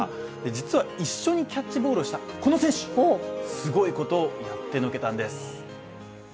実は一緒にキャッチボールをしたこの選手すごいことをやってのけたんです。